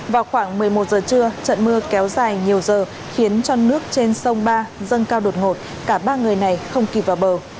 vào khoảng một mươi một giờ trưa trận mưa kéo dài nhiều giờ khiến cho nước trên sông ba dâng cao đột ngột cả ba người này không kịp vào bờ